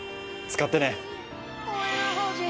使ってね！